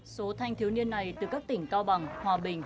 số thanh thiếu niên này từ các tỉnh cao bằng hòa bình